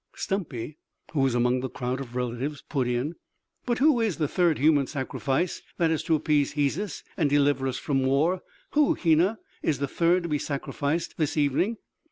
Stumpy, who was among the crowd of relatives, put in: "But who is that third human sacrifice, that is to appease Hesus and deliver us from war? Who, Hena, is the third to be sacrificed this evening?"